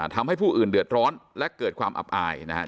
ทำให้ผู้อื่นเดือดร้อนและเกิดความอับอายนะครับ